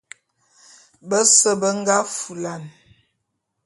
Bese be nga fulan.